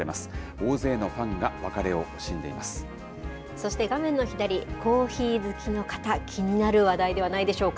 大勢のファンが別れを惜しんでいそして、画面の左、コーヒー好きの方、気になる話題ではないでしょうか。